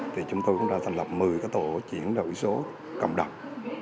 thì chúng tôi cũng đã thành lập một mươi cái tổ chuyển đổi số cộng đồng